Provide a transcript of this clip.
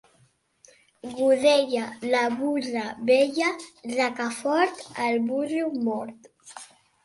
Godella, la burra vella; Rocafort, el burro mort.